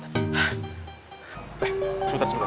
eh sebentar sebentar